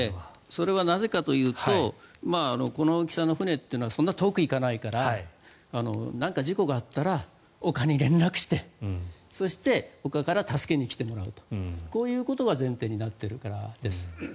それはなぜかというとこの大きさの船というのはそんなに遠くに行かないから何か事故があったらおかに連絡をしてそして、おかから助けに来てもらうとこういうことが前提になっているからです。